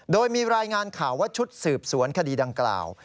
โดยมีรายงานข่าวว่าชุดสืบสวนคดีดังกล่าว